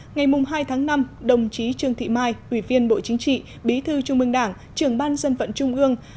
ngày hai tháng năm đồng chí trương thị mai ủy viên bộ chính trị bí thư trung mương đảng trưởng ban dân vận trung ương